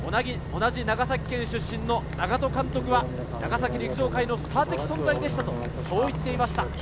同じ長崎県出身の長門監督は長崎陸上界のスター的存在でしたと話していました。